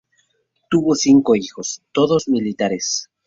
Tuvo cinco hijos, todos militares.